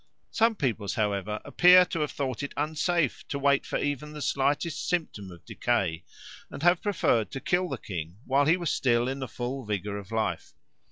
Some peoples, however, appear to have thought it unsafe to wait for even the slightest symptom of decay and have preferred to kill the king while he was still in the full vigour of life.